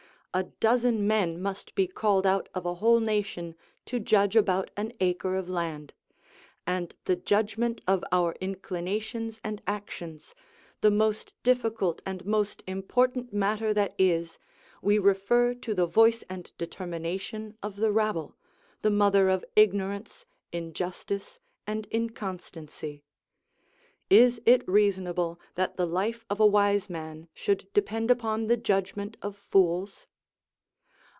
A dozen men must be called out of a whole nation to judge about an acre of land; and the judgment of our inclinations and actions, the most difficult and most important matter that is, we refer to the voice and determination of the rabble, the mother of ignorance, injustice, and inconstancy. Is it reasonable that the life of a wise man should depend upon the judgment of fools?